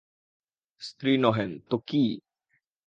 স্ত্রী নহেন তো কী!